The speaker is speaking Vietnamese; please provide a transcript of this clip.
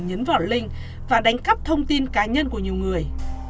nhấn vào linh và đánh cắp thông tin cá nhân của nhiều người